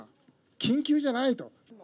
緊急じゃないと。